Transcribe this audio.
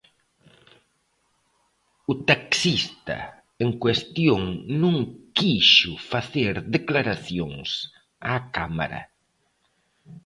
O taxista en cuestión non quixo facer declaracións á cámara.